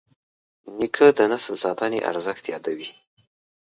نیکه د نسل ساتنې ارزښت یادوي.